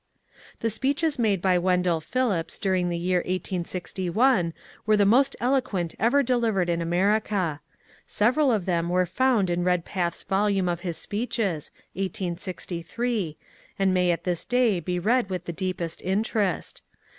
The speeches made by Wendell Phillips during the year 1861 were the most eloquent ever delivered in America. Sev eral of them are found in Redpath's volume of his speeches (1863), and may at this day be read with the deepest interest.